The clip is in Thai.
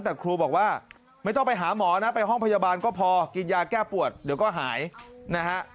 แต่ครูบอกว่าไม่ต้องไปหาหมอนะไปห้องพยาบาลก็พอกินยาแก้ปวดเดี๋ยวก็หายนะฮะ